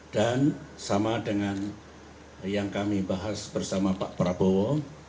dan sama dengan yang kami bahas bersama pak prabowo